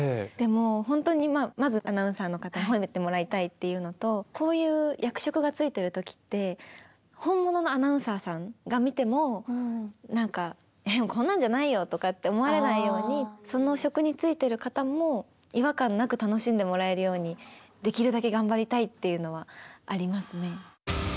でもほんとにまずアナウンサーの方に褒めてもらいたいっていうのとこういう役職がついてる時って本物のアナウンサーさんが見ても何かこんなんじゃないよとかって思われないようにその職に就いてる方も違和感なく楽しんでもらえるようにできるだけ頑張りたいっていうのはありますね。